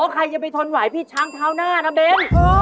ใครจะไปทนไหวพี่ช้างเท้าหน้านะเบ้น